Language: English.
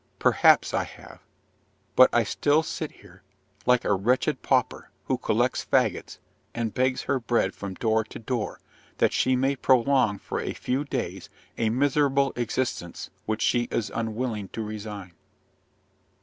Perhaps I have, but I still sit here, like a wretched pauper, who collects fagots, and begs her bread from door to door, that she may prolong for a few days a miserable existence which she is unwilling to resign.